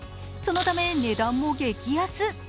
そのため値段も激安。